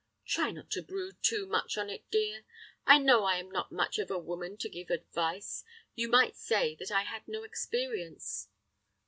"Try not to brood too much on it, dear. I know I am not much of a woman to give advice. You might say that I had no experience."